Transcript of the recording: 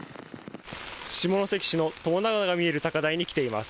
下関市の友田川が見える高台に来ています。